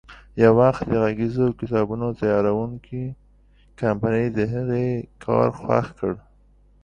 یو وخت د غږیزو کتابونو تیاروونکې کمپنۍ د هغې کار خوښ کړ.